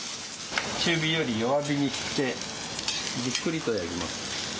中火より弱火にしてじっくりとやります。